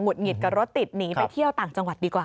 หงิดกับรถติดหนีไปเที่ยวต่างจังหวัดดีกว่า